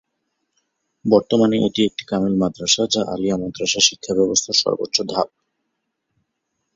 বর্তমানে এটি একটি কামিল মাদ্রাসা, যা আলিয়া মাদ্রাসা শিক্ষা ব্যবস্থার সর্বোচ্চ ধাপ।